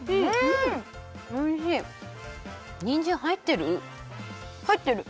にんじんはいってる？